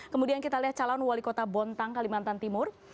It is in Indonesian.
kemudian kita lihat calon wali kota bontang kalimantan timur